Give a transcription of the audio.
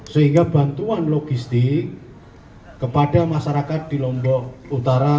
sehingga bantuan logistik kepada masyarakat di lombok utara